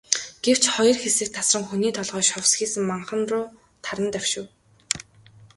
Гэвч хоёр хэсэг тасран, хүний толгой шовсхийсэн манхан руу таран давшив.